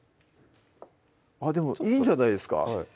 あっでもいいんじゃないですか？